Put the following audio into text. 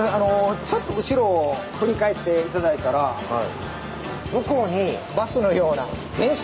ちょっと後ろを振り返って頂いたら向こうにバスのような電車のような。